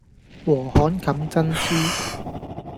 禾稈冚珍珠